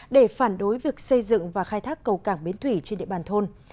để phản đối việc xây dựng và khai thác cầu cảng biến thủy trên địa bàn thôn